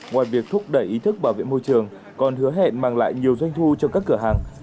ngoài việc thúc đẩy ý thức bảo vệ môi trường còn hứa hẹn mang lại nhiều doanh thu cho các cửa hàng